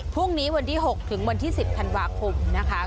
พรุ่งนี้วันที่๖ถึงวันที่๑๐ธันวาคมนะคะ